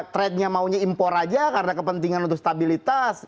trade nya maunya impor aja karena kepentingan untuk stabilitas